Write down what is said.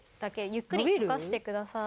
ゆっくりとかしてください。